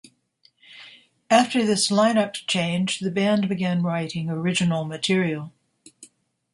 After this lineup change, the band began writing original material.